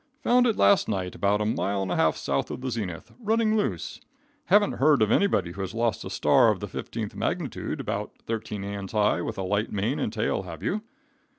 Found it last night about a mile and a half south of the zenith, running loose. Haven't heard of anybody who has lost a star of the fifteenth magnitude, about thirteen hands high, with light mane and tail, have you?"